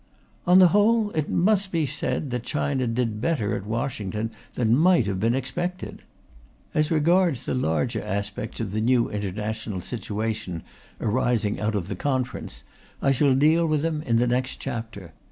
On the whole, it must be said that China did better at Washington than might have been expected. As regards the larger aspects of the new international situation arising out of the Conference, I shall deal with them in the next chapter.